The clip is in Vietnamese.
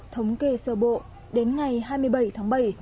thống kê sơ bộ đến ngày hai mươi bảy tháng bảy